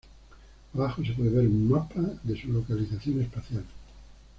Abajo se puede ver un mapa de su localización espacial.